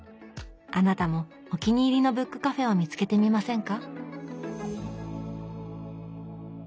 あなたもお気に入りのブックカフェを見つけてみませんか？